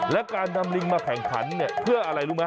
และการนำลิงมาแข่งขันเนี่ยเพื่ออะไรรู้ไหม